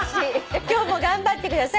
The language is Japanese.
今日も頑張ってください」